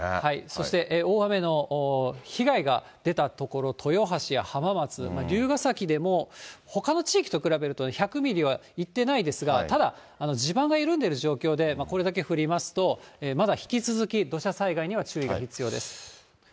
そして大雨の被害が出た所、豊橋、浜松、龍ヶ崎でもほかの地域と比べるとね、１００ミリはいってないんですが、ただ、地盤が緩んでいる状況で、これだけ降りますと、まだ引き続き土砂災害には注意が必要です。